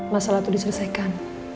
masalah tuh diselesaikan